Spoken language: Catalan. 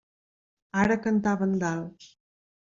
Ara cantaven dalt.